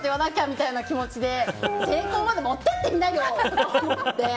みたいな気持ちで成功まで持ってってみなよ！って。